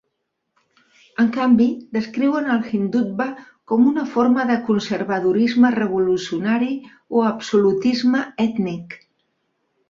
En canvi descriuen el Hindutva com una forma de "conservadorisme revolucionari" o "absolutisme ètnic".